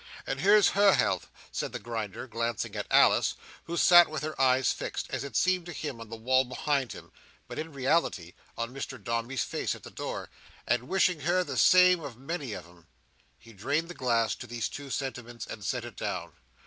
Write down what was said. "And here's her health," said the Grinder, glancing at Alice, who sat with her eyes fixed, as it seemed to him, on the wall behind him, but in reality on Mr Dombey's face at the door, "and wishing her the same and many of 'em!" He drained the glass to these two sentiments, and set it down.